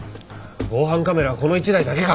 防犯カメラはこの１台だけか？